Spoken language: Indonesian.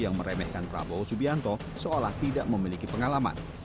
yang meremehkan prabowo subianto seolah tidak memiliki pengalaman